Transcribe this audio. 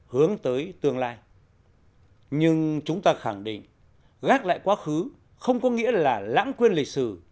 hướng tới tương lai nhưng chúng ta khẳng định gác lại quá khứ không có nghĩa là lãng quên lịch sử